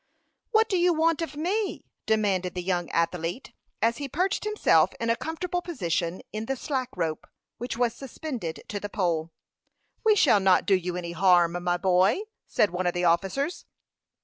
"What do you want of me?" demanded the young athlete, as he perched himself in a comfortable position on the "slack rope," which was suspended to the pole. "We shall not do you any harm, my boy," said one of the officers.